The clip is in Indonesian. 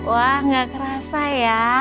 wah gak kerasa ya